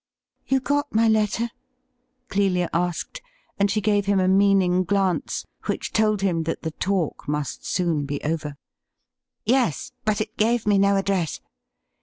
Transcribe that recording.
' You got my letter ?'' Clelia asked, and she gave him a meaning glance, which told him that the talk must soon be over. ' Yes ; but it gave me no address.'